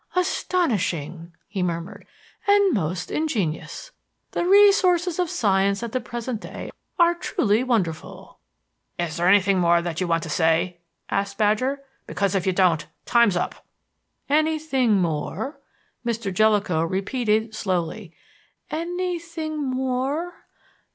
"Astonishing!" he murmured; "and most ingenious. The resources of science at the present day are truly wonderful." "Is there anything more that you want to say?" asked Badger; "because if you don't, time's up." "Anything more?" Mr. Jellicoe repeated slowly; "anything more?